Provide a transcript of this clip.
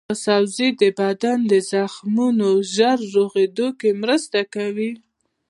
دا سبزی د بدن د زخمونو ژر رغیدو کې مرسته کوي.